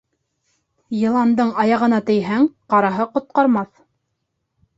Йыландың аяғына тейһәң, ҡараһы ҡотҡармаҫ.